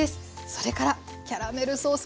それからキャラメルソース